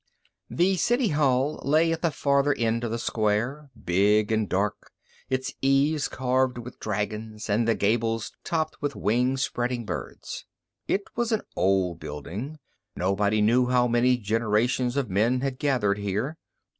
The City Hall lay at the farther end of the square, big and dark, its eaves carved with dragons, and the gables topped with wing spreading birds. It was an old building; nobody knew how many generations of men had gathered here.